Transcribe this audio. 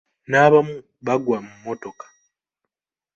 N’abamu bagwa mu mmotoka!